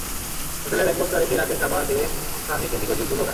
হোটেলে ব্যাগ-বোঁচকা রেখে রাতের খাবার খেয়ে খানিক এদিক- ওদিক ঘুরল ওরা।